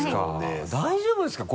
大丈夫ですか？